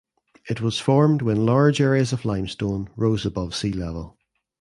It was formed when large areas of limestone rose above sea level.